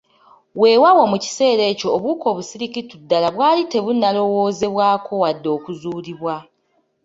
Weewaawo mu kiseera ekyo obuwuka obusirikitu ddala bwali tebunnalowoozebwako wadde okuzuulibwa.